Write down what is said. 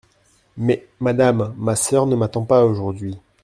Mais, madame, ma sœur ne m’attend pas aujourd’hui.